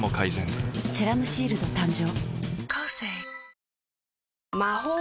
「セラムシールド」誕生